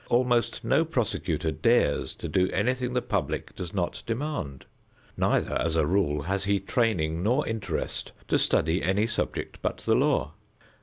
Almost no prosecutor dares do anything the public does not demand. Neither, as a rule, has he training nor interest to study any subject but the law.